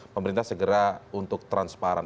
pemerintah segera untuk transparan